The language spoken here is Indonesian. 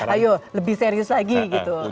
ayo lebih serius lagi gitu